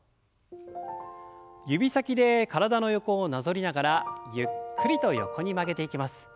指先で体の横をなぞりながらゆっくりと横に曲げていきます。